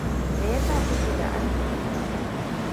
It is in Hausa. Me yasa kuke da arziki?